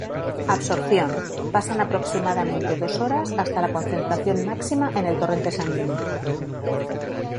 Absorción: pasan aproximadamente dos horas hasta la concentración máxima en el torrente sanguíneo.